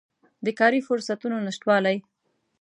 د کاري فرصتونو نشتوالی